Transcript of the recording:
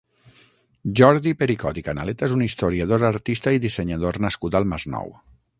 Jordi Pericot i Canaleta és un historiador, artista i dissenyador nascut al Masnou.